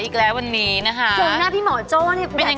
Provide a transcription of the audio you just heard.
แม่บ้านประจันบัน